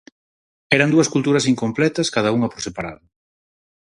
Eran dúas culturas incompletas cada unha por separado.